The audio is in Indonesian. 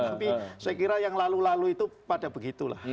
tapi saya kira yang lalu lalu itu pada begitu lah